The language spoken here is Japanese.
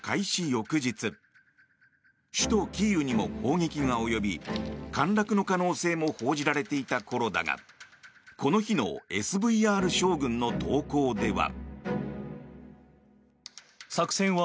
翌日首都キーウにも攻撃が及び陥落の可能性も報じられていた頃だがこの日のＳＶＲ将軍の投稿では。